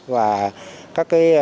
và các đối tượng đã bị rầm nối